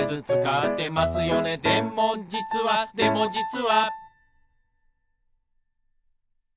「でもじつはでもじつは」